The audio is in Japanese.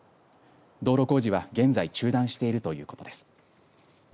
道路工事は現在中断しているということです。